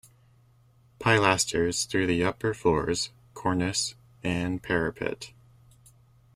Pilasters through the upper floors, cornice and parapet.